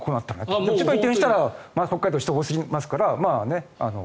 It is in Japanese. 首都移転したら北海道、人が移動しますから。